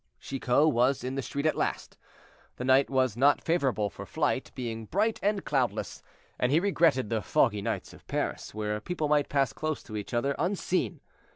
Chicot was in the street at last. The night was not favorable for flight, being bright and cloudless, and he regretted the foggy nights of Paris, where people might pass close to each other unseen.